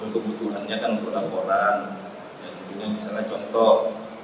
kebutuhannya kan untuk laporan misalnya contoh